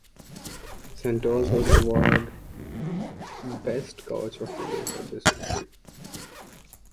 Santos was award Best Coach of the Year for this victory.